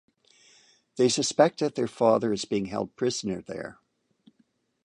They suspect that their father is being held prisoner there.